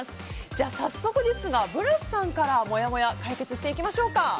早速ですがブラスさんからもやもや解決していきましょうか。